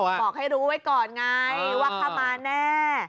บอกให้รู้ไว้ก่อนไงว่าเข้ามาแน่